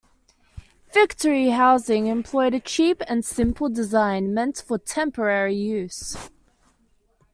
Victory Housing employed a cheap and simple design meant for temporary use.